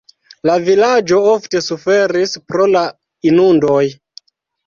La vilaĝo ofte suferis pro la inundoj.